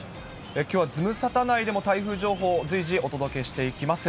きょうはズムサタ内でも台風情報、随時、お届けしていきます。